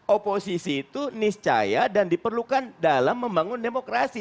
oposisi itu niscaya dan diperlukan dalam membangun demokrasi